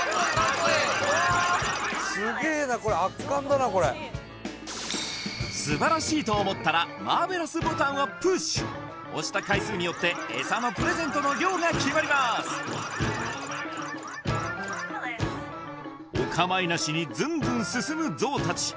すげえかっこいいかっこいい素晴らしいと思ったらマーベラスボタンをプッシュ押した回数によってエサのプレゼントの量が決まりますお構いなしにずんずん進むゾウたち